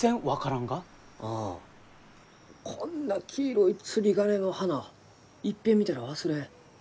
ああこんな黄色い釣り鐘の花いっぺん見たら忘れん。